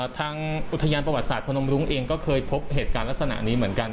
ทางอุทยานประวัติศาสตร์พนมรุ้งเองก็เคยพบเหตุการณ์ลักษณะนี้เหมือนกัน